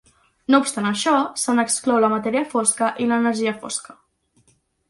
No obstant això, se n'exclou la matèria fosca i l'energia fosca.